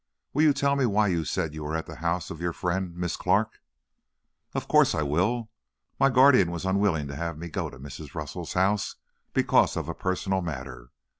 Will you tell me why you said you were at the house of your friend, Miss Clark?" "Of course I will. My guardian was unwilling to have me go to Mrs. Russell's house, because of a personal matter.